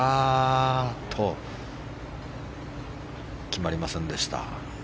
決まりませんでした。